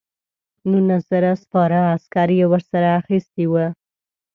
نولس زره سپاره عسکر یې ورسره اخیستي دي.